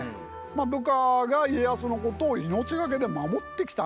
部下が家康のことを命懸けで守ってきたんですね。